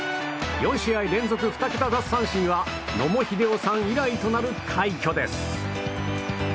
４試合連続２桁奪三振は野茂英雄さん以来となる快挙です。